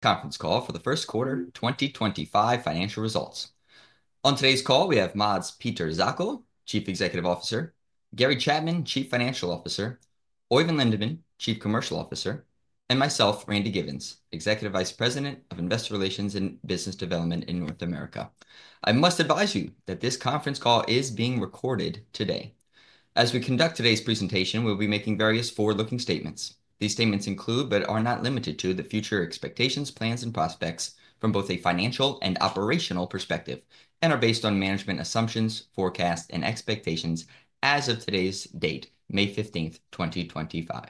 Conference call for the first quarter 2025 financial results. On today's call, we have Mads Peter Zacho, Chief Executive Officer; Gary Chapman, Chief Financial Officer; Oeyvind Lindeman, Chief Commercial Officer; and myself, Randy Giveans, Executive Vice President of Investor Relations and Business Development in North America. I must advise you that this conference call is being recorded today. As we conduct today's presentation, we'll be making various forward-looking statements. These statements include, but are not limited to, the future expectations, plans, and prospects from both a financial and operational perspective, and are based on management assumptions, forecasts, and expectations as of today's date, May 15th, 2025.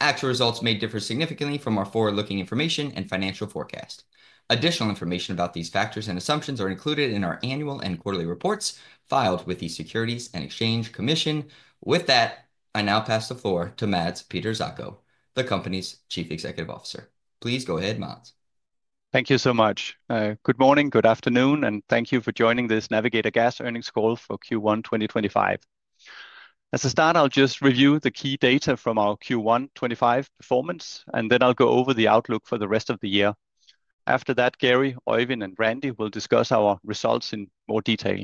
Actual results may differ significantly from our forward-looking information and financial forecast. Additional information about these factors and assumptions is included in our annual and quarterly reports filed with the Securities and Exchange Commission. With that, I now pass the floor to Mads Peter Zacho, the Company's Chief Executive Officer. Please go ahead, Mads. Thank you so much. Good morning, good afternoon, and thank you for joining this Navigator Gas earnings call for Q1 2025. As a start, I'll just review the key data from our Q1 2025 performance, and then I'll go over the outlook for the rest of the year. After that, Gary, Oeyvind, and Randy will discuss our results in more detail.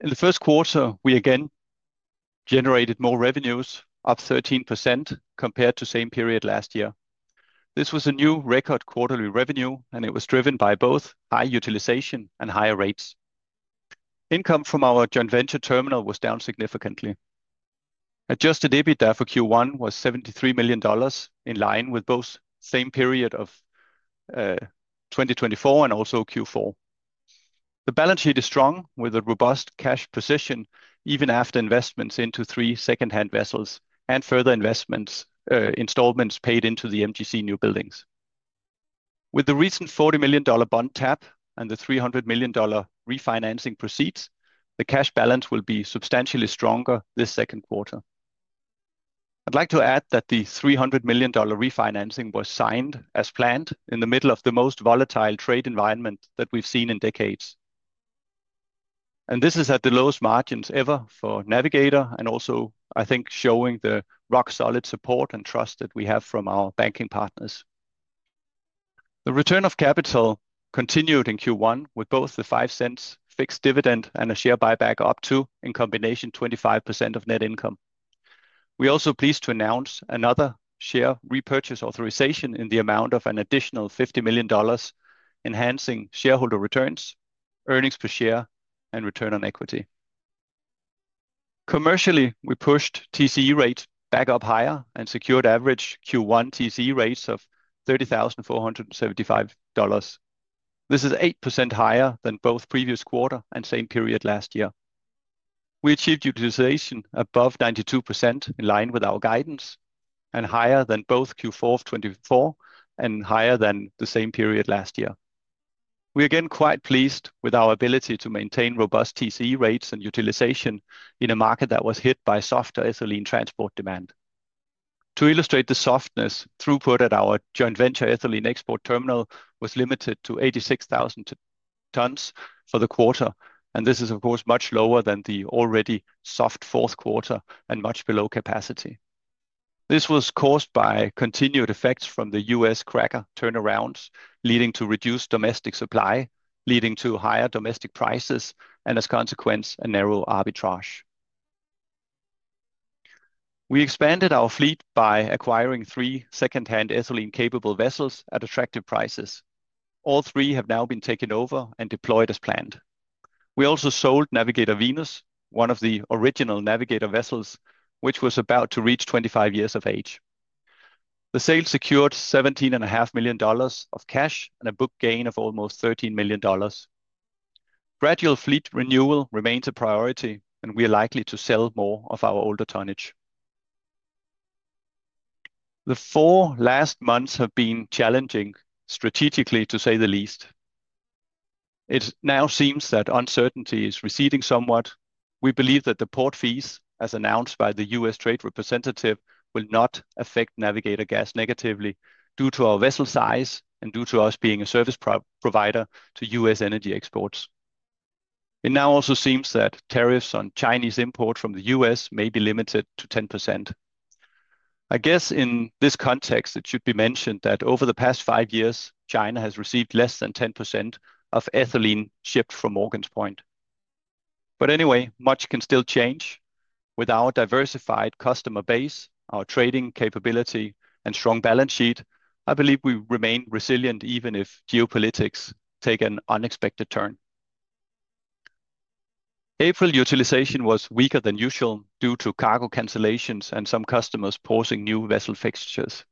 In the first quarter, we again generated more revenues, up 13% compared to the same period last year. This was a new record quarterly revenue, and it was driven by both high utilization and higher rates. Income from our joint venture terminal was down significantly. Adjusted EBITDA for Q1 was $72.8 million, in line with both the same period of 2024 and also Q4. The balance sheet is strong, with a robust cash position even after investments into three second-hand vessels and further investments, installments paid into the MGC new buildings. With the recent $40 million bond tap and the $300 million refinancing proceeds, the cash balance will be substantially stronger this second quarter. I would like to add that the $300 million refinancing was signed as planned in the middle of the most volatile trade environment that we have seen in decades. This is at the lowest margins ever for Navigator, and also, I think, showing the rock-solid support and trust that we have from our banking partners. The return of capital continued in Q1 with both the $0.05 fixed dividend and a share buyback up to, in combination, 25% of net income. We are also pleased to announce another share repurchase authorization in the amount of an additional $50 million, enhancing shareholder returns, earnings per share, and return on equity. Commercially, we pushed TCE rates back up higher and secured average Q1 TCE rates of $30,475. This is 8% higher than both previous quarter and same period last year. We achieved utilization above 92%, in line with our guidance, and higher than both Q4 of 2024 and higher than the same period last year. We are again quite pleased with our ability to maintain robust TCE rates and utilization in a market that was hit by softer ethylene transport demand. To illustrate the softness, throughput at our joint venture ethylene export terminal was limited to 86,000 tons for the quarter, and this is, of course, much lower than the already soft fourth quarter and much below capacity. This was caused by continued effects from the U.S. cracker turnarounds, leading to reduced domestic supply, leading to higher domestic prices, and as a consequence, a narrow arbitrage. We expanded our fleet by acquiring three second-hand ethylene-capable vessels at attractive prices. All three have now been taken over and deployed as planned. We also sold Navigator Venus, one of the original Navigator vessels, which was about to reach 25 years of age. The sale secured $17.5 million of cash and a book gain of almost $13 million. Gradual fleet renewal remains a priority, and we are likely to sell more of our older tonnage. The four last months have been challenging, strategically to say the least. It now seems that uncertainty is receding somewhat. We believe that the port fees, as announced by the U.S. trade representative, will not affect Navigator Gas negatively due to our vessel size and due to us being a service provider to U.S. energy exports. It now also seems that tariffs on Chinese imports from the U.S. may be limited to 10%. I guess in this context, it should be mentioned that over the past five years, China has received less than 10% of ethylene shipped from Morgan's Point. Anyway, much can still change. With our diversified customer base, our trading capability, and strong balance sheet, I believe we remain resilient even if geopolitics take an unexpected turn. April utilization was weaker than usual due to cargo cancellations and some customers pausing new vessel fixtures.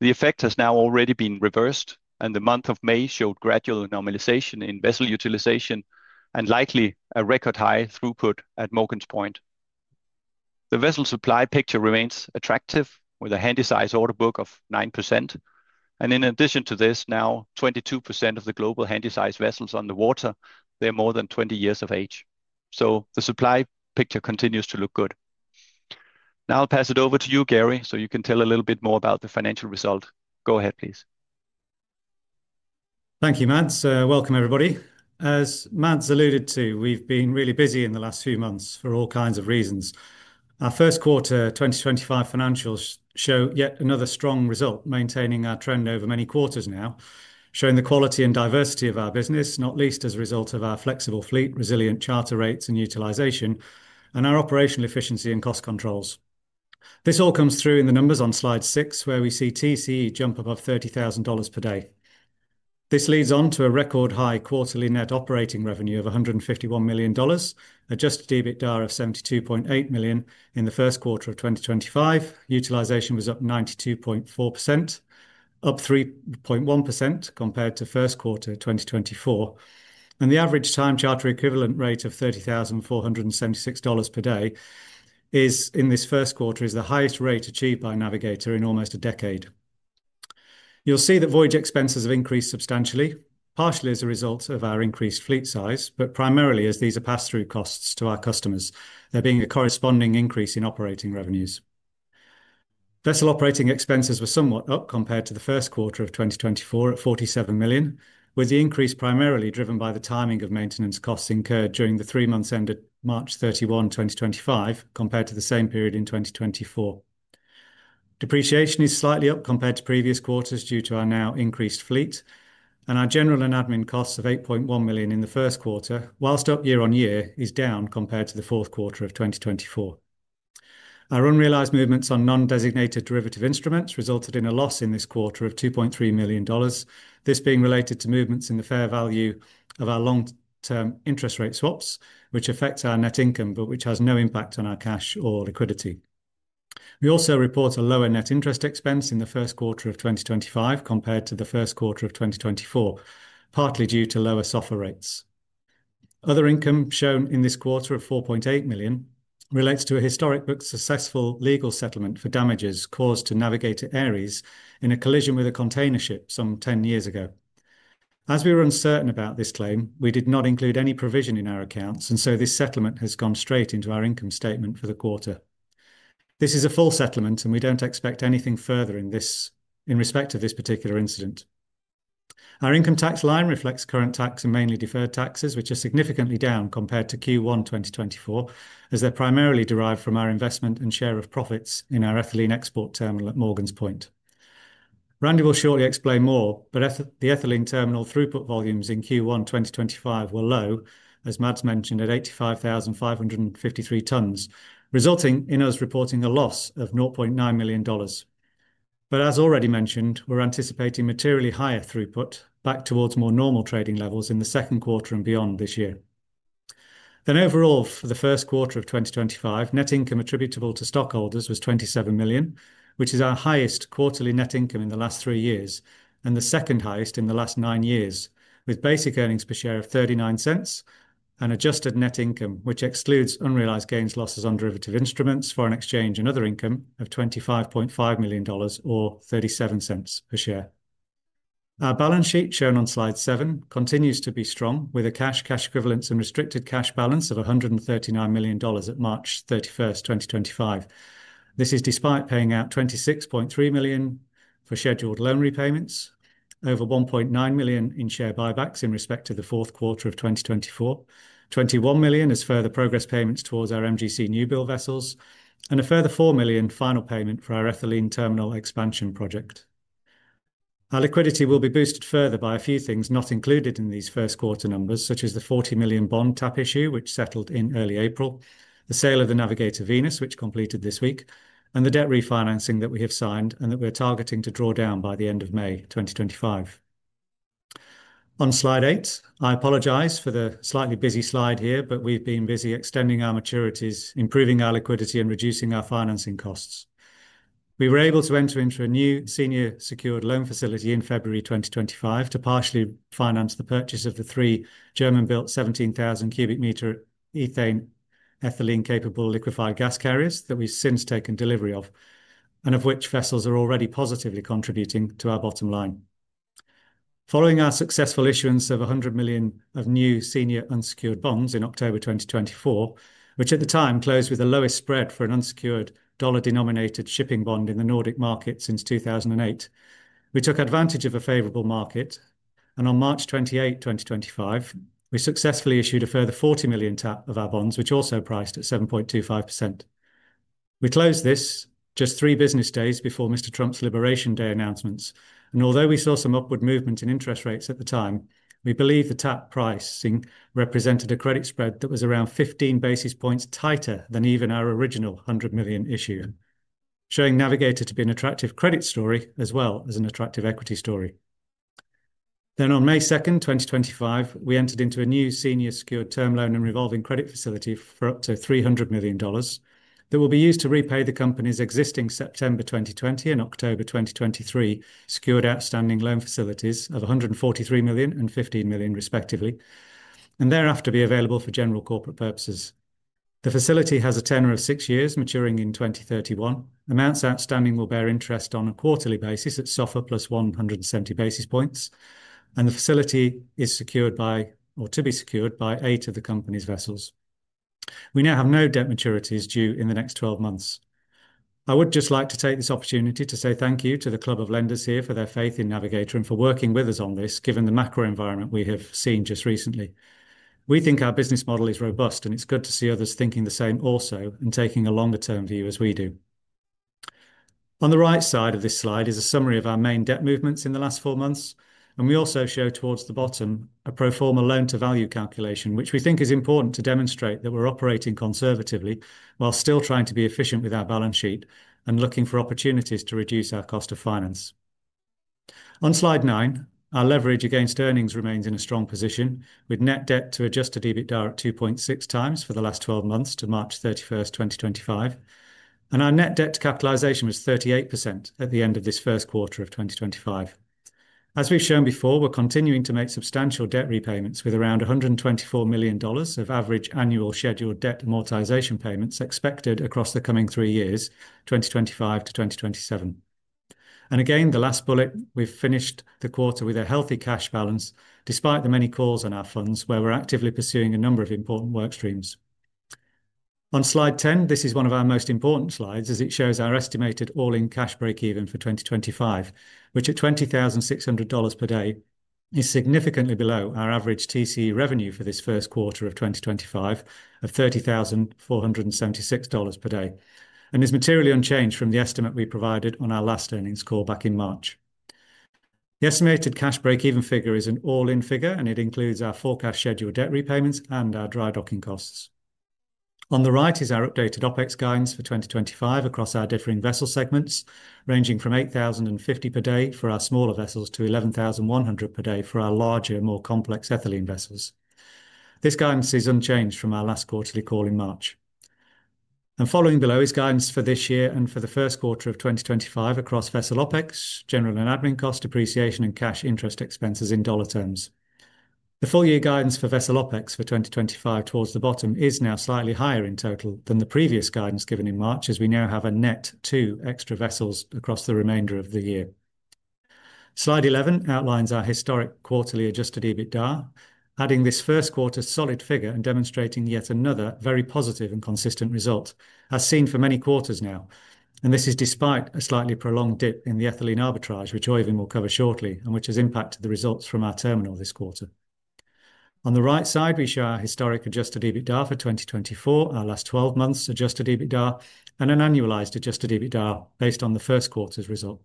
The effect has now already been reversed, and the month of May showed gradual normalization in vessel utilization and likely a record high throughput at Morgan's Point. The vessel supply picture remains attractive with a handy size order book of 9%, and in addition to this, now 22% of the global handy size vessels on the water, they're more than 20 years of age. The supply picture continues to look good. Now I'll pass it over to you, Gary, so you can tell a little bit more about the financial result. Go ahead, please. Thank you, Mads. Welcome, everybody. As Mads alluded to, we've been really busy in the last few months for all kinds of reasons. Our first quarter 2025 financials show yet another strong result, maintaining our trend over many quarters now, showing the quality and diversity of our business, not least as a result of our flexible fleet, resilient charter rates, and utilization, and our operational efficiency and cost controls. This all comes through in the numbers on slide six, where we see TCE jump above $30,000 per day. This leads on to a record high quarterly net operating revenue of $151 million, Adjusted EBITDA of $72.8 million in the first quarter of 2025. Utilization was up 92.4%, up 3.1% compared to first quarter 2024. The average time charter equivalent rate of $30,476 per day is, in this first quarter, the highest rate achieved by Navigator in almost a decade. You'll see that voyage expenses have increased substantially, partially as a result of our increased fleet size, but primarily as these are pass-through costs to our customers, there being a corresponding increase in operating revenues. Vessel operating expenses were somewhat up compared to the first quarter of 2024 at $47 million, with the increase primarily driven by the timing of maintenance costs incurred during the three months ended March 31, 2025, compared to the same period in 2024. Depreciation is slightly up compared to previous quarters due to our now increased fleet, and our general and admin costs of $8.1 million in the first quarter, whilst up year-on-year, is down compared to the fourth quarter of 2024. Our unrealized movements on non-designated derivative instruments resulted in a loss in this quarter of $2.3 million, this being related to movements in the fair value of our long-term interest rate swaps, which affects our net income, but which has no impact on our cash or liquidity. We also report a lower net interest expense in the first quarter of 2025 compared to the first quarter of 2024, partly due to lower SOFR rates. Other income shown in this quarter of $4.8 million relates to a historic book successful legal settlement for damages caused to Navigator Aries in a collision with a container ship some 10 years ago. As we were uncertain about this claim, we did not include any provision in our accounts, and so this settlement has gone straight into our income statement for the quarter. This is a full settlement, and we don't expect anything further in respect of this particular incident. Our income tax line reflects current tax and mainly deferred taxes, which are significantly down compared to Q1 2024, as they're primarily derived from our investment and share of profits in our ethylene export terminal at Morgan's Point. Randy will shortly explain more, but the ethylene terminal throughput volumes in Q1 2025 were low, as Mads mentioned, at 85,553 tons, resulting in us reporting a loss of $0.9 million. As already mentioned, we're anticipating materially higher throughput back towards more normal trading levels in the second quarter and beyond this year. Overall, for the first quarter of 2025, net income attributable to stockholders was $27 million, which is our highest quarterly net income in the last three years, and the second highest in the last nine years, with basic earnings per share of $0.39 and adjusted net income, which excludes unrealized gains, losses on derivative instruments, foreign exchange, and other income of $25.5 million or $0.37 per share. Our balance sheet shown on slide seven continues to be strong, with a cash, cash equivalents, and restricted cash balance of $139 million at March 31st, 2025. This is despite paying out $26.3 million for scheduled loan repayments, over $1.9 million in share buybacks in respect to the fourth quarter of 2024, $21 million as further progress payments towards our MGC newbuild vessels, and a further $4 million final payment for our ethylene terminal expansion project. Our liquidity will be boosted further by a few things not included in these first quarter numbers, such as the $40 million bond tap issue, which settled in early April, the sale of the Navigator Venus, which completed this week, and the debt refinancing that we have signed and that we're targeting to draw down by the end of May 2025. On slide eight, I apologize for the slightly busy slide here, but we've been busy extending our maturities, improving our liquidity, and reducing our financing costs. We were able to enter into a new senior secured loan facility in February 2025 to partially finance the purchase of the three German-built 17,000 cubic meter ethane ethylene-capable liquefied gas carriers that we've since taken delivery of, and of which vessels are already positively contributing to our bottom line. Following our successful issuance of $100 million of new senior unsecured bonds in October 2024, which at the time closed with the lowest spread for an unsecured dollar-denominated shipping bond in the Nordic market since 2008, we took advantage of a favorable market, and on March 28, 2025, we successfully issued a further $40 million tap of our bonds, which also priced at 7.25%. We closed this just three business days before Mr. Trump's Liberation Day announcements, and although we saw some upward movement in interest rates at the time, we believe the tap pricing represented a credit spread that was around 15 basis points tighter than even our original $100 million issue, showing Navigator to be an attractive credit story as well as an attractive equity story. On May 2nd, 2025, we entered into a new senior secured term loan and revolving credit facility for up to $300 million that will be used to repay the company's existing September 2020 and October 2023 secured outstanding loan facilities of $143 million and $15 million, respectively, and thereafter be available for general corporate purposes. The facility has a tenor of six years, maturing in 2031. Amounts outstanding will bear interest on a quarterly basis at SOFR +170 basis points, and the facility is secured by, or to be secured by, eight of the company's vessels. We now have no debt maturities due in the next 12 months. I would just like to take this opportunity to say thank you to the club of lenders here for their faith in Navigator and for working with us on this, given the macro environment we have seen just recently. We think our business model is robust, and it's good to see others thinking the same also and taking a longer-term view as we do. On the right side of this slide is a summary of our main debt movements in the last four months, and we also show towards the bottom a pro forma loan-to-value calculation, which we think is important to demonstrate that we're operating conservatively while still trying to be efficient with our balance sheet and looking for opportunities to reduce our cost of finance. On slide nine, our leverage against earnings remains in a strong position, with net debt to Adjusted EBITDA at 2.6 times for the last 12 months to March 31st, 2025, and our net debt to capitalization was 38% at the end of this first quarter of 2025. As we've shown before, we're continuing to make substantial debt repayments with around $124 million of average annual scheduled debt amortization payments expected across the coming three years, 2025 to 2027. Again, the last bullet, we've finished the quarter with a healthy cash balance despite the many calls on our funds where we're actively pursuing a number of important work streams. On slide 10, this is one of our most important slides as it shows our estimated all-in cash break-even for 2025, which at $20,600 per day is significantly below our average TCE revenue for this first quarter of 2025 of $30,476 per day, and is materially unchanged from the estimate we provided on our last earnings call back in March. The estimated cash break-even figure is an all-in figure, and it includes our forecast scheduled debt repayments and our dry docking costs. On the right is our updated OpEx guidance for 2025 across our differing vessel segments, ranging from $8,050 per day for our smaller vessels to $11,100 per day for our larger, more complex ethylene vessels. This guidance is unchanged from our last quarterly call in March. Following below is guidance for this year and for the first quarter of 2025 across vessel OpEx, general and admin costs, depreciation, and cash interest expenses in dollar terms. The full year guidance for vessel OpEx for 2025 towards the bottom is now slightly higher in total than the previous guidance given in March as we now have a net two extra vessels across the remainder of the year. Slide 11 outlines our historic quarterly Adjusted EBITDA, adding this first quarter solid figure and demonstrating yet another very positive and consistent result, as seen for many quarters now, and this is despite a slightly prolonged dip in the ethylene arbitrage, which Oeyvind will cover shortly, and which has impacted the results from our terminal this quarter. On the right side, we show our historic Adjusted EBITDA for 2024, our last 12 months Adjusted EBITDA, and an annualized Adjusted EBITDA based on the first quarter's result.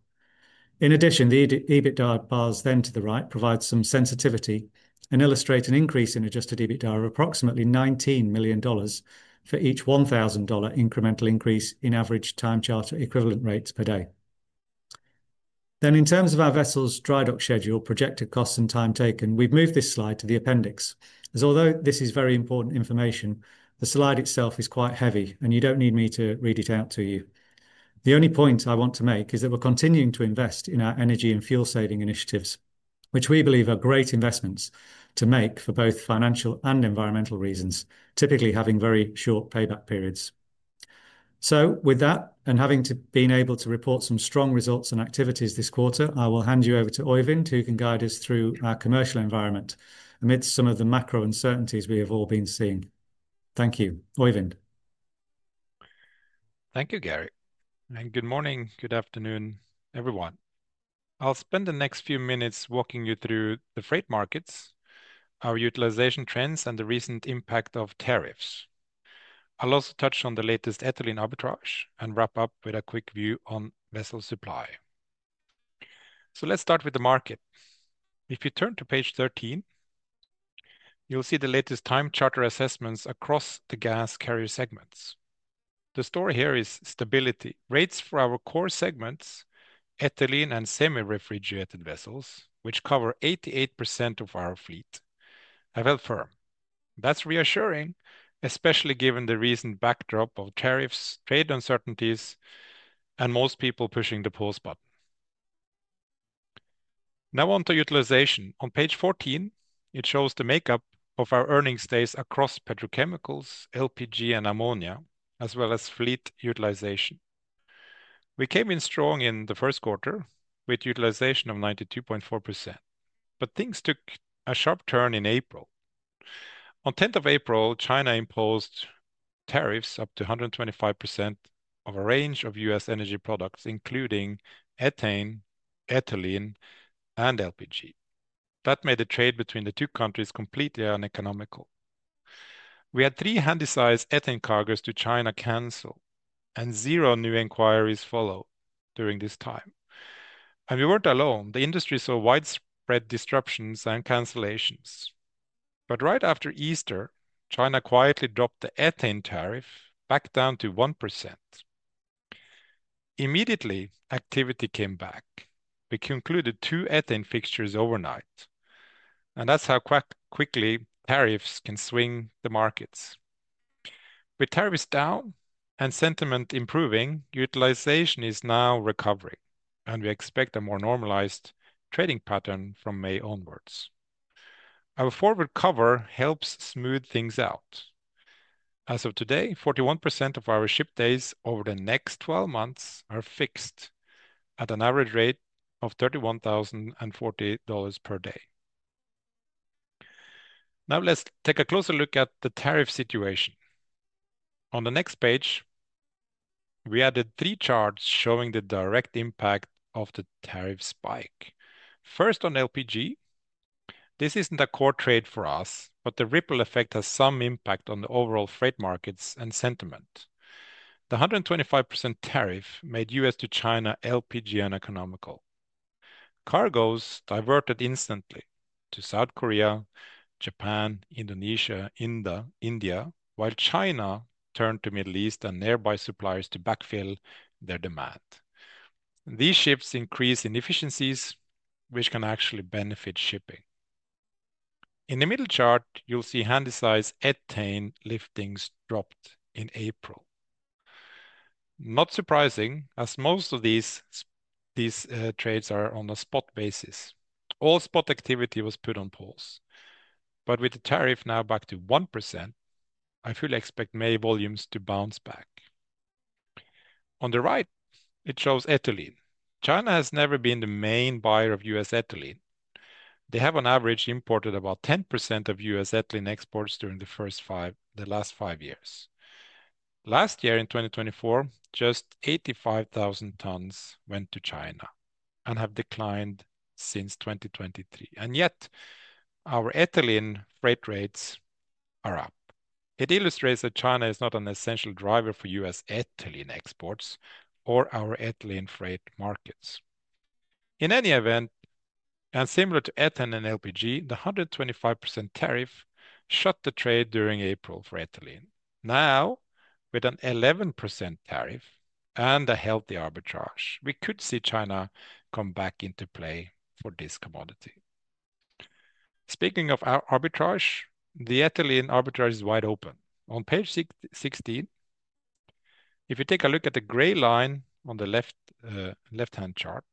In addition, the EBITDA bars then to the right provide some sensitivity and illustrate an increase in Adjusted EBITDA of approximately $19 million for each $1,000 incremental increase in average time charter equivalent rates per day. In terms of our vessels' dry dock schedule, projected costs, and time taken, we've moved this slide to the appendix, as although this is very important information, the slide itself is quite heavy and you don't need me to read it out to you. The only point I want to make is that we're continuing to invest in our energy and fuel saving initiatives, which we believe are great investments to make for both financial and environmental reasons, typically having very short payback periods. With that and having been able to report some strong results and activities this quarter, I will hand you over to Oeyvind, who can guide us through our commercial environment amidst some of the macro uncertainties we have all been seeing. Thank you, Oeyvind. Thank you, Gary. Good morning, good afternoon, everyone. I'll spend the next few minutes walking you through the freight markets, our utilization trends, and the recent impact of tariffs. I'll also touch on the latest ethylene arbitrage and wrap up with a quick view on vessel supply. Let's start with the market. If you turn to page 13, you'll see the latest time charter assessments across the gas carrier segments. The story here is stability. Rates for our core segments, ethylene and semi-refrigerated vessels, which cover 88% of our fleet, have held firm. That's reassuring, especially given the recent backdrop of tariffs, trade uncertainties, and most people pushing the pause button. Now on to utilization. On page 14, it shows the makeup of our earnings days across petrochemicals, LPG, and ammonia, as well as fleet utilization. We came in strong in the first quarter with utilization of 92.4%, but things took a sharp turn in April. On 10th of April, China imposed tariffs up to 125% of a range of U.S. energy products, including ethane, ethylene, and LPG. That made the trade between the two countries completely uneconomical. We had three handy-sized ethane cargos to China canceled, and zero new inquiries followed during this time. We were not alone. The industry saw widespread disruptions and cancellations. Right after Easter, China quietly dropped the ethane tariff back down to 1%. Immediately, activity came back. We concluded two ethane fixtures overnight, and that is how quickly tariffs can swing the markets. With tariffs down and sentiment improving, utilization is now recovering, and we expect a more normalized trading pattern from May onwards. Our forward cover helps smooth things out. As of today, 41% of our ship days over the next 12 months are fixed at an average rate of $31,040 per day. Now let's take a closer look at the tariff situation. On the next page, we added three charts showing the direct impact of the tariff spike. First, on LPG. This is not a core trade for us, but the ripple effect has some impact on the overall freight markets and sentiment. The 125% tariff made U.S. to China LPG uneconomical. Cargoes diverted instantly to South Korea, Japan, Indonesia, India, while China turned to the Middle East and nearby suppliers to backfill their demand. These ships increase inefficiencies, which can actually benefit shipping. In the middle chart, you will see handy-size ethane liftings dropped in April. Not surprising, as most of these trades are on a spot basis. All spot activity was put on pause. With the tariff now back to 1%, I fully expect May volumes to bounce back. On the right, it shows ethylene. China has never been the main buyer of U.S. ethylene. They have on average imported about 10% of U.S. ethylene exports during the first five the last five years. Last year, in 2024, just 85,000 tons went to China and have declined since 2023. Yet, our ethylene freight rates are up. It illustrates that China is not an essential driver for U.S. ethylene exports or our ethylene freight markets. In any event, and similar to ethane and LPG, the 125% tariff shut the trade during April for ethylene. Now, with an 11% tariff and a healthy arbitrage, we could see China come back into play for this commodity. Speaking of our arbitrage, the ethylene arbitrage is wide open. On page 16, if you take a look at the gray line on the left-hand chart,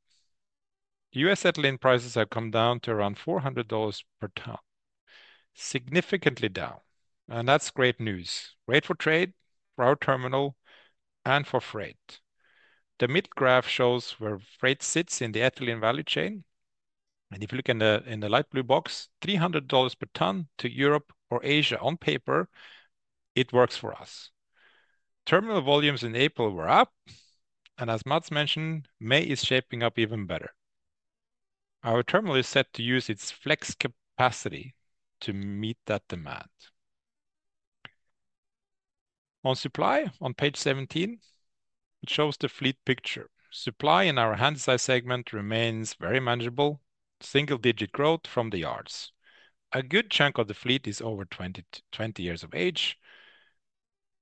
U.S. ethylene prices have come down to around $400 per ton, significantly down. That's great news, great for trade, for our terminal, and for freight. The mid graph shows where freight sits in the ethylene value chain. If you look in the light blue box, $300 per ton to Europe or Asia on paper, it works for us. Terminal volumes in April were up, and as Mads mentioned, May is shaping up even better. Our terminal is set to use its flex capacity to meet that demand. On supply, on page 17, it shows the fleet picture. Supply in our handy-sized segment remains very manageable, single-digit growth from the yards. A good chunk of the fleet is over 20 years of age.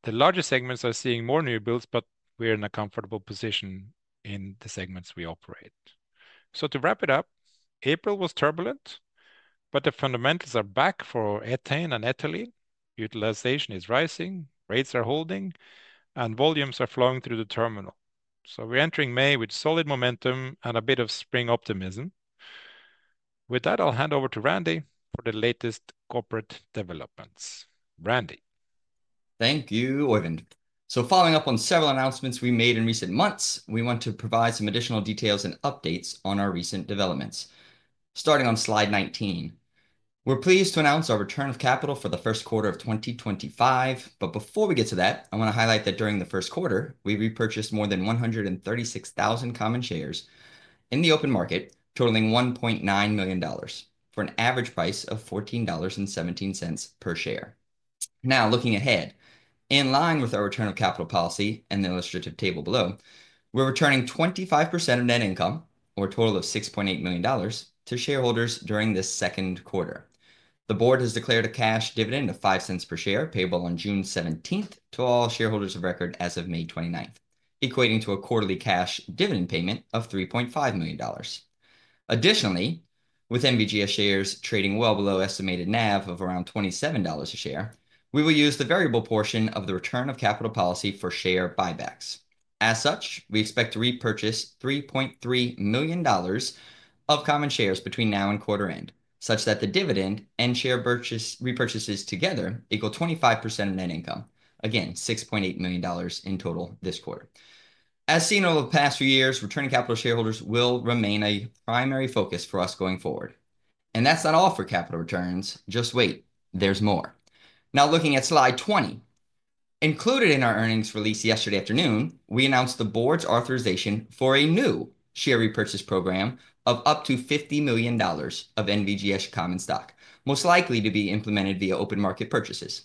The larger segments are seeing more new builds, but we're in a comfortable position in the segments we operate. To wrap it up, April was turbulent, but the fundamentals are back for ethane and ethylene. Utilization is rising, rates are holding, and volumes are flowing through the terminal. We are entering May with solid momentum and a bit of spring optimism. With that, I'll hand over to Randy for the latest corporate developments. Randy. Thank you, Oeyvind. Following up on several announcements we made in recent months, we want to provide some additional details and updates on our recent developments. Starting on slide 19, we are pleased to announce our return of capital for the first quarter of 2025. Before we get to that, I want to highlight that during the first quarter, we repurchased more than 136,000 common shares in the open market, totaling $1.9 million for an average price of $14.17 per share. Now, looking ahead, in line with our return of capital policy and the illustrative table below, we're returning 25% of net income, or a total of $6.8 million, to shareholders during this second quarter. The board has declared a cash dividend of $0.05 per share, payable on June 17th to all shareholders of record as of May 29th, equating to a quarterly cash dividend payment of $3.5 million. Additionally, with NVGS shares trading well below estimated NAV of around $27 a share, we will use the variable portion of the return of capital policy for share buybacks. As such, we expect to repurchase $3.3 million of common shares between now and quarter end, such that the dividend and share repurchases together equal 25% of net income, again, $6.8 million in total this quarter. As seen over the past few years, returning capital to shareholders will remain a primary focus for us going forward. That is not all for capital returns. Just wait, there is more. Now, looking at slide 20, included in our earnings release yesterday afternoon, we announced the board's authorization for a new share repurchase program of up to $50 million of NVGS common stock, most likely to be implemented via open market purchases.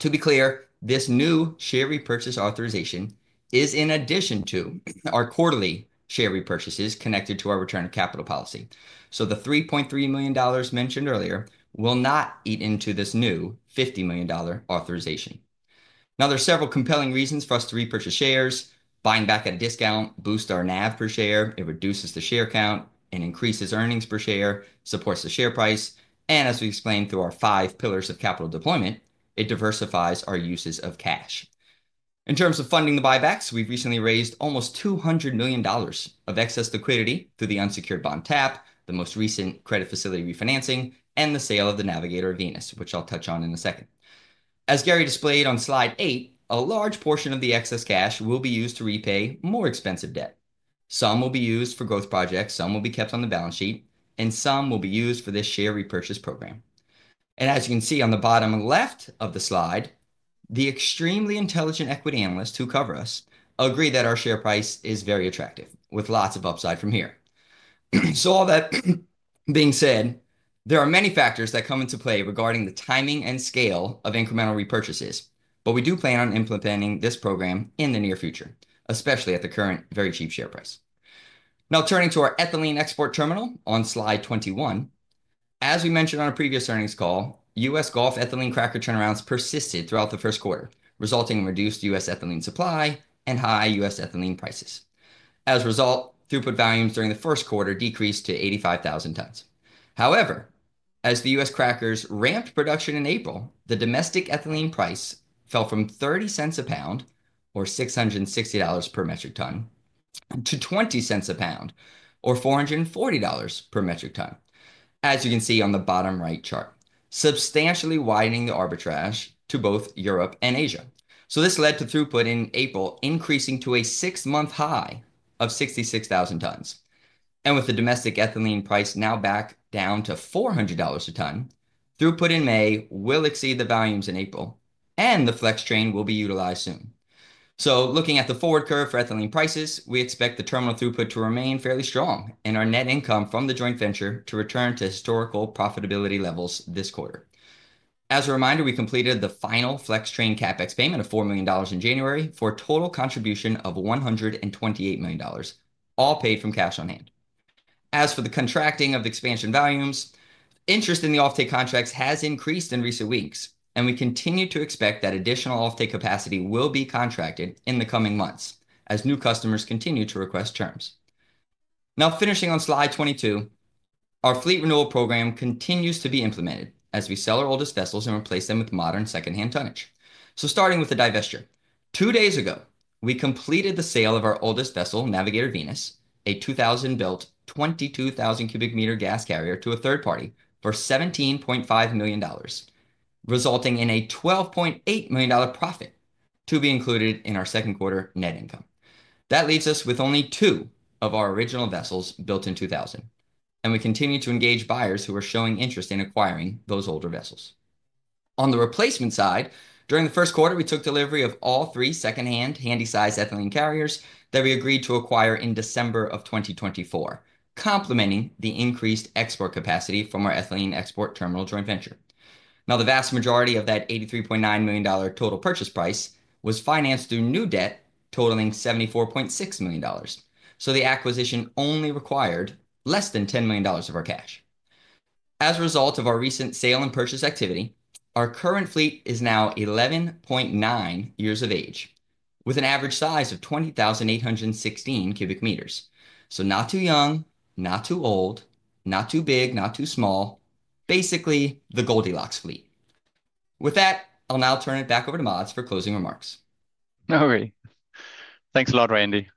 To be clear, this new share repurchase authorization is in addition to our quarterly share repurchases connected to our return of capital policy. The $3.3 million mentioned earlier will not eat into this new $50 million authorization. There are several compelling reasons for us to repurchase shares. Buying back at a discount boosts our NAV per share. It reduces the share count and increases earnings per share, supports the share price. As we explained through our five pillars of capital deployment, it diversifies our uses of cash. In terms of funding the buybacks, we have recently raised almost $200 million of excess liquidity through the unsecured bond tap, the most recent credit facility refinancing, and the sale of the Navigator Venus, which I will touch on in a second. As Gary displayed on slide 8, a large portion of the excess cash will be used to repay more expensive debt. Some will be used for growth projects, some will be kept on the balance sheet, and some will be used for this share repurchase program. As you can see on the bottom left of the slide, the extremely intelligent equity analysts who cover us agree that our share price is very attractive, with lots of upside from here. All that being said, there are many factors that come into play regarding the timing and scale of incremental repurchases, but we do plan on implementing this program in the near future, especially at the current very cheap share price. Now, turning to our ethylene export terminal on slide 21, as we mentioned on a previous earnings call, U.S. Gulf ethylene cracker turnarounds persisted throughout the first quarter, resulting in reduced U.S. ethylene supply and high U.S. ethylene prices. As a result, throughput volumes during the first quarter decreased to 85,000 tons. However, as the U.S. crackers ramped production in April, the domestic ethylene price fell from $0.30 a pound, or $660 per metric ton, to $0.20 a pound, or $440 per metric ton, as you can see on the bottom right chart, substantially widening the arbitrage to both Europe and Asia. This led to throughput in April increasing to a six-month high of 66,000 tons. With the domestic ethylene price now back down to $400 a ton, throughput in May will exceed the volumes in April, and the flex train will be utilized soon. Looking at the forward curve for ethylene prices, we expect the terminal throughput to remain fairly strong and our net income from the joint venture to return to historical profitability levels this quarter. As a reminder, we completed the final flex train CapEx payment of $4 million in January for a total contribution of $128 million, all paid from cash on hand. As for the contracting of the expansion volumes, interest in the offtake contracts has increased in recent weeks, and we continue to expect that additional offtake capacity will be contracted in the coming months as new customers continue to request terms. Now, finishing on slide 22, our fleet renewal program continues to be implemented as we sell our oldest vessels and replace them with modern second-hand tonnage. Starting with the divestiture, two days ago, we completed the sale of our oldest vessel, Navigator Venus, a 2000-built, 22,000 cubic meter gas carrier to a third party for $17.5 million, resulting in a $12.8 million profit to be included in our second quarter net income. That leaves us with only two of our original vessels built in 2000, and we continue to engage buyers who are showing interest in acquiring those older vessels. On the replacement side, during the first quarter, we took delivery of all three second-hand handy-sized ethylene carriers that we agreed to acquire in December of 2024, complementing the increased export capacity from our ethylene export terminal joint venture. Now, the vast majority of that $83.9 million total purchase price was financed through new debt totaling $74.6 million. So the acquisition only required less than $10 million of our cash. As a result of our recent sale and purchase activity, our current fleet is now 11.9 years of age, with an average size of 20,816 cubic meters. So not too young, not too old, not too big, not too small, basically the Goldilocks fleet. With that, I'll now turn it back over to Mads for closing remarks. No worries. Thanks a lot, Randy.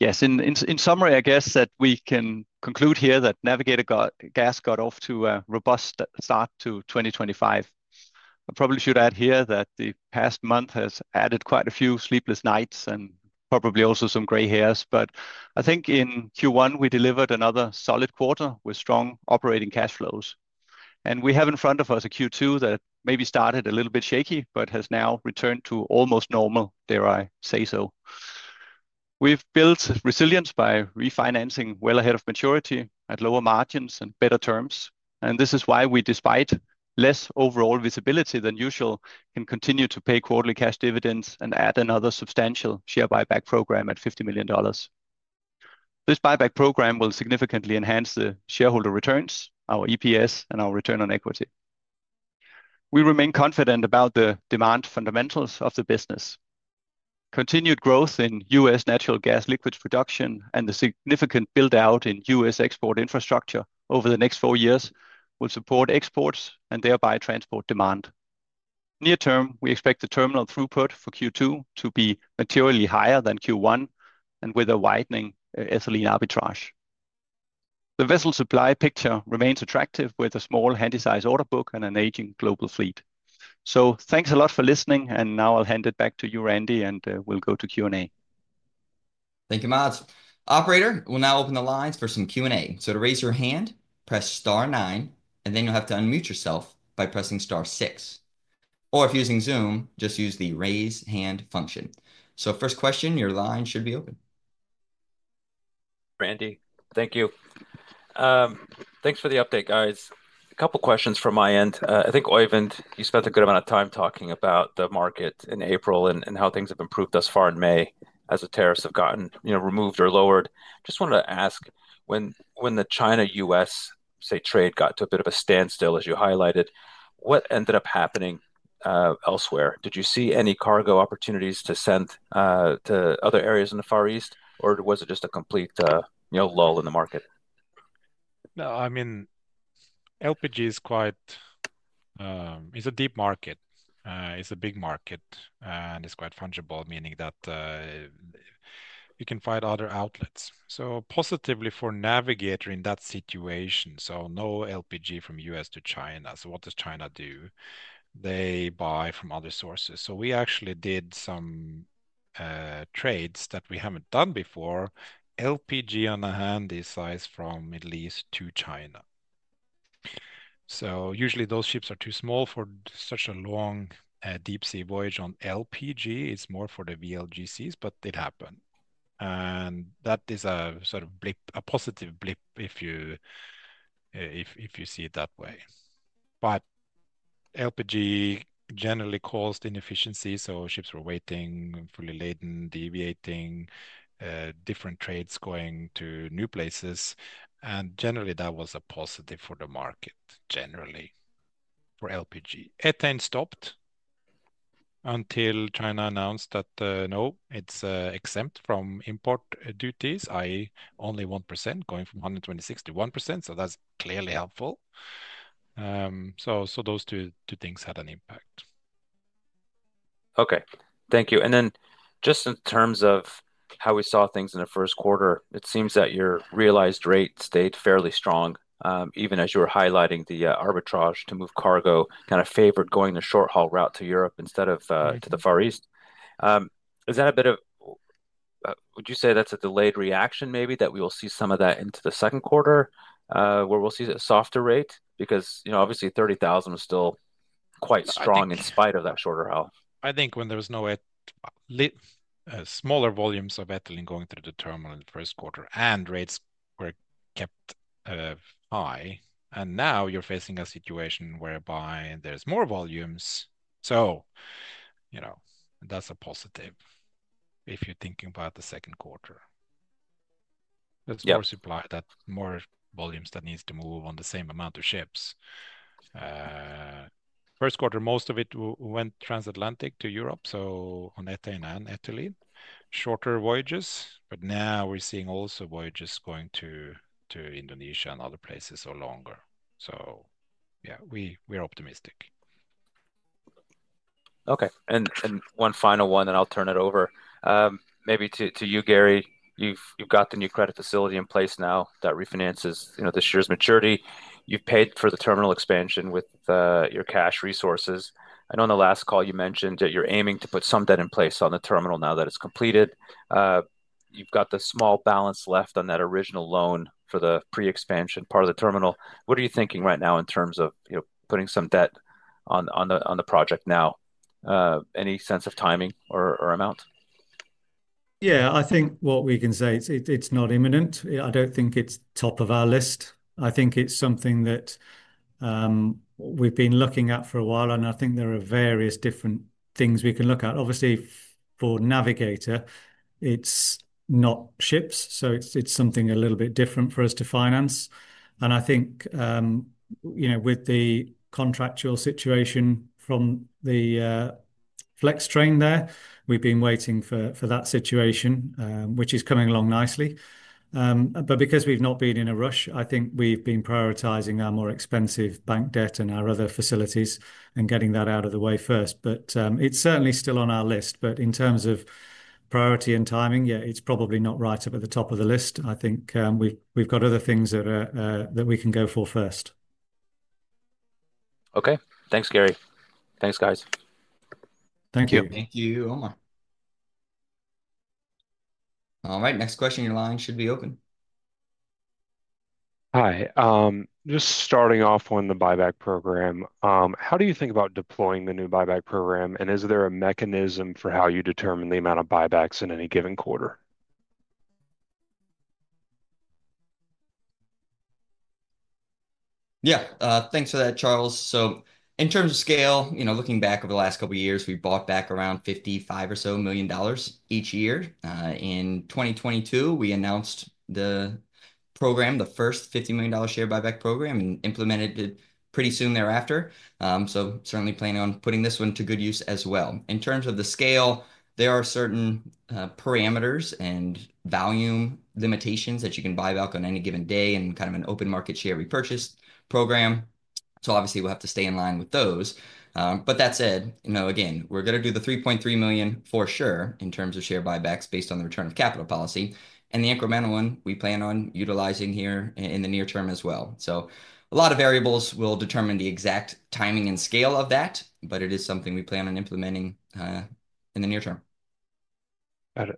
Yes, in summary, I guess that we can conclude here that Navigator Gas got off to a robust start to 2025. I probably should add here that the past month has added quite a few sleepless nights and probably also some gray hairs, but I think in Q1, we delivered another solid quarter with strong operating cash flows. We have in front of us a Q2 that maybe started a little bit shaky, but has now returned to almost normal, dare I say so. We have built resilience by refinancing well ahead of maturity at lower margins and better terms. This is why we, despite less overall visibility than usual, can continue to pay quarterly cash dividends and add another substantial share buyback program at $50 million. This buyback program will significantly enhance the shareholder returns, our EPS, and our return on equity. We remain confident about the demand fundamentals of the business. Continued growth in U.S. natural gas liquids production and the significant buildout in U.S. export infrastructure over the next four years will support exports and thereby transport demand. Near term, we expect the terminal throughput for Q2 to be materially higher than Q1 and with a widening ethylene arbitrage. The vessel supply picture remains attractive with a small handy-sized order book and an aging global fleet. Thanks a lot for listening, and now I'll hand it back to you, Randy, and we'll go to Q&A. Thank you, Mads. Operator, we'll now open the lines for some Q&A. To raise your hand, press star nine, and then you'll have to unmute yourself by pressing star six. If you're using Zoom, just use the raise hand function. First question, your line should be open. Randy, thank you. Thanks for the update, guys. A couple of questions from my end. I think, Oeyvind, you spent a good amount of time talking about the market in April and how things have improved thus far in May as the tariffs have gotten removed or lowered. Just wanted to ask, when the China-U.S., say, trade got to a bit of a standstill, as you highlighted, what ended up happening elsewhere? Did you see any cargo opportunities to send to other areas in the Far East, or was it just a complete lull in the market? No, I mean, LPG is quite a deep market. It is a big market, and it is quite fungible, meaning that you can find other outlets. Positively for Navigator in that situation, no LPG from U.S. to China. What does China do? They buy from other sources. We actually did some trades that we have not done before. LPG on a handy size from Middle East to China. Usually those ships are too small for such a long deep-sea voyage on LPG. It is more for the VLGCs, but it happened. That is a sort of a positive blip if you see it that way. LPG generally caused inefficiencies, so ships were waiting, fully laden, deviating, different trades going to new places. Generally, that was a positive for the market, generally, for LPG. Ethane stopped until China announced that, no, it is exempt from import duties, i.e., only 1% going from 126% to 1%. That is clearly helpful. Those two things had an impact. Okay, thank you. In terms of how we saw things in the first quarter, it seems that your realized rate stayed fairly strong, even as you were highlighting the arbitrage to move cargo. Kind of favored going the short haul route to Europe instead of to the Far East. Is that a bit of, would you say that's a delayed reaction maybe that we will see some of that into the second quarter, where we'll see a softer rate? Because obviously $30,000 was still quite strong in spite of that shorter haul. I think when there was no smaller volumes of ethylene going through the terminal in the first quarter and rates were kept high, and now you're facing a situation whereby there's more volumes. So that's a positive if you're thinking about the second quarter. There's more supply, that more volumes that needs to move on the same amount of ships. First quarter, most of it went transatlantic to Europe, so on ethane and ethylene, shorter voyages. But now we're seeing also voyages going to Indonesia and other places are longer. Yeah, we're optimistic. Okay, and one final one, and I'll turn it over maybe to you, Gary. You've got the new credit facility in place now that refinances this year's maturity. You've paid for the terminal expansion with your cash resources. I know on the last call you mentioned that you're aiming to put some debt in place on the terminal now that it's completed. You've got the small balance left on that original loan for the pre-expansion part of the terminal. What are you thinking right now in terms of putting some debt on the project now? Any sense of timing or amount? Yeah, I think what we can say, it's not imminent. I don't think it's top of our list. I think it's something that we've been looking at for a while, and I think there are various different things we can look at. Obviously, for Navigator, it's not ships, so it's something a little bit different for us to finance. I think with the contractual situation from the flex train there, we've been waiting for that situation, which is coming along nicely. Because we've not been in a rush, I think we've been prioritizing our more expensive bank debt and our other facilities and getting that out of the way first. It's certainly still on our list. In terms of priority and timing, yeah, it's probably not right up at the top of the list. I think we've got other things that we can go for first. Okay, thanks, Gary. Thanks, guys. Thank you. Thank you. All right, next question. Your line should be open. Hi, just starting off on the buyback program. How do you think about deploying the new buyback program, and is there a mechanism for how you determine the amount of buybacks in any given quarter? Yeah, thanks for that, Charles. In terms of scale, looking back over the last couple of years, we bought back around $55 million or so each year. In 2022, we announced the program, the first $50 million share buyback program, and implemented it pretty soon thereafter. Certainly planning on putting this one to good use as well. In terms of the scale, there are certain parameters and volume limitations that you can buy back on any given day in kind of an open market share repurchase program. Obviously, we'll have to stay in line with those. That said, again, we're going to do the $3.3 million for sure in terms of share buybacks based on the return of capital policy. The incremental one, we plan on utilizing here in the near term as well. A lot of variables will determine the exact timing and scale of that, but it is something we plan on implementing in the near term.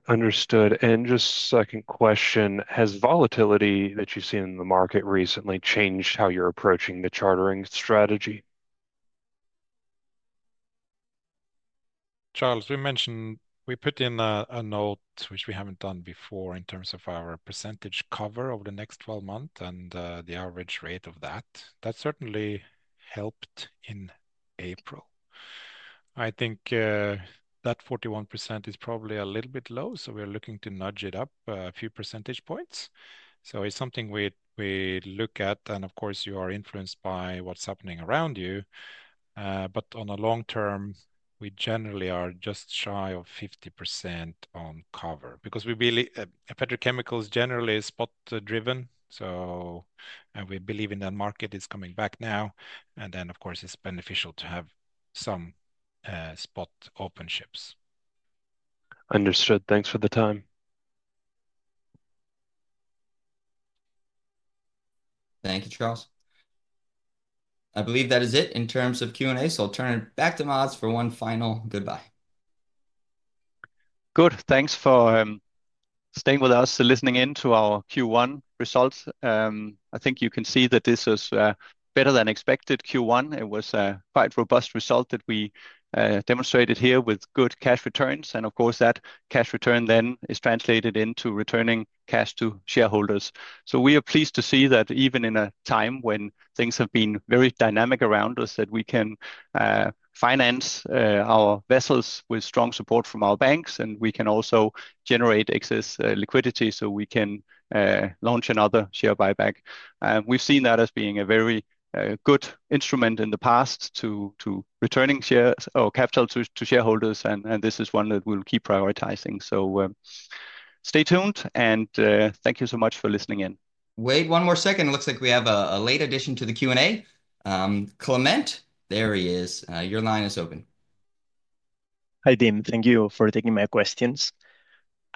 Understood. Just second question, has volatility that you've seen in the market recently changed how you're approaching the chartering strategy? Charles, we mentioned we put in a note, which we haven't done before in terms of our percentage cover over the next 12 months and the average rate of that. That certainly helped in April. I think that 41% is probably a little bit low, so we're looking to nudge it up a few percentage points. It is something we look at, and of course, you are influenced by what is happening around you. On a long term, we generally are just shy of 50% on cover because we believe petrochemicals generally are spot-driven. We believe that market is coming back now. Of course, it is beneficial to have some spot open ships. Understood. Thanks for the time. Thank you, Charles. I believe that is it in terms of Q&A, so I will turn it back to Mads for one final goodbye. Good. Thanks for staying with us, listening in to our Q1 results. I think you can see that this was better than expected, Q1. It was a quite robust result that we demonstrated here with good cash returns. Of course, that cash return then is translated into returning cash to shareholders. We are pleased to see that even in a time when things have been very dynamic around us, we can finance our vessels with strong support from our banks, and we can also generate excess liquidity so we can launch another share buyback. We have seen that as being a very good instrument in the past to returning capital to shareholders, and this is one that we will keep prioritizing. Stay tuned, and thank you so much for listening in. Wait one more second. It looks like we have a late addition to the Q&A. Clement, there he is. Your line is open. Hi, Randy. Thank you for taking my questions.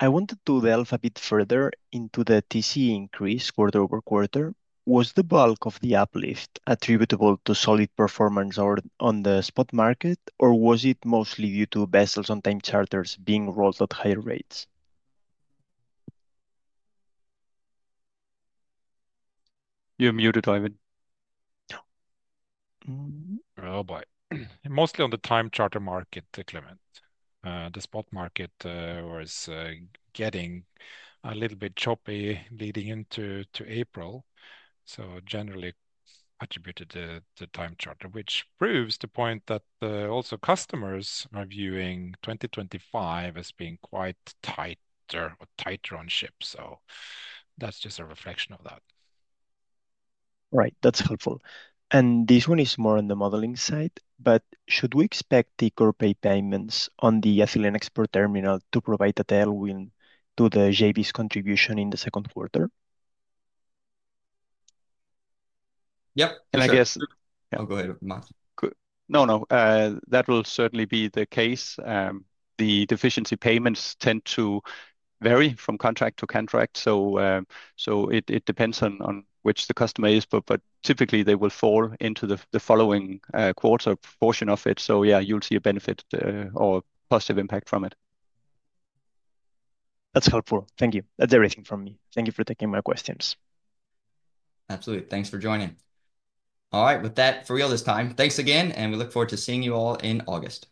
I wanted to delve a bit further into the TC increase quarter-over-quarter. Was the bulk of the uplift attributable to solid performance on the spot market, or was it mostly due to vessels on time charters being rolled at higher rates? You're muted, Oeyvind. Oh, boy. Mostly on the time charter market, Clement. The spot market was getting a little bit choppy leading into April, so generally attributed to time charter, which proves the point that also customers are viewing 2025 as being quite tighter on ships. That is just a reflection of that. Right, that is helpful. This one is more on the modeling side, but should we expect the corporate payments on the ethylene export terminal to provide a tailwind to the JV's contribution in the second quarter? Yep. I guess I will go ahead with Mads. No, no, that will certainly be the case. The deficiency payments tend to vary from contract to contract. It depends on which the customer is, but typically they will fall into the following quarter portion of it. Yeah, you'll see a benefit or positive impact from it. That's helpful. Thank you. That's everything from me. Thank you for taking my questions. Absolutely. Thanks for joining. All right, with that, for real this time, thanks again, and we look forward to seeing you all in August.